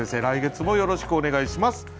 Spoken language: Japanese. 来月もよろしくお願いします。